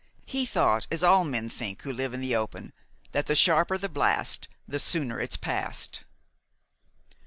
He thought, as all men think who live in the open, that "the sharper the blast the sooner it's past."